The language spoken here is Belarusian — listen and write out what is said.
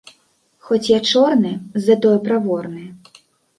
Хоць я чорны, затое праворны.